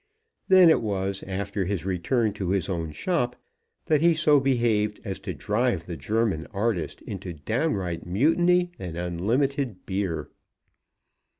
Then it was, after his return to his own shop, that he so behaved as to drive the German artist into downright mutiny and unlimited beer.